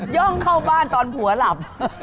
่องเข้าบ้านตอนผัวหลับ